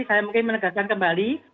saya mungkin menegaskan kembali